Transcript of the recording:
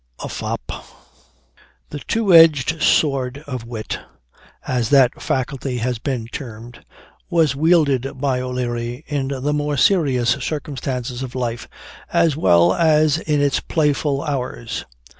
A FOP. "The "two edged sword of wit," as that faculty has been termed, was wielded by O'Leary in the more serious circumstances of life, as well as in its playful hours.